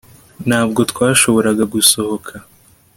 Ntabwo twashoboraga gusohoka